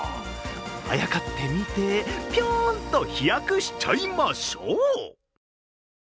あやかってみて、ぴょーんと飛躍しちゃいましょう！